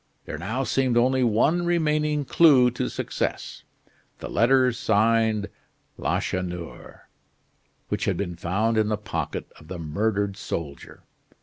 There now seemed only one remaining clue to success: the letter signed "Lacheneur," which had been found in the pocket of the murdered soldier.